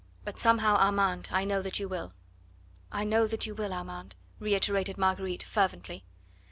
But somehow, Armand, I know that you will." "I know that you will, Armand," reiterated Marguerite fervently.